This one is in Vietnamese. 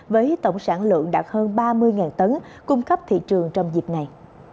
với tổng sản lượng đạt hơn ba mươi tấn cung cấp thị trường trong dịp này